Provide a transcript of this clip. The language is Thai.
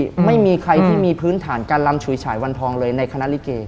ไม่มีใครที่มีพื้นฐานการลำฉุยฉายวันทองเลยในคณะลิเก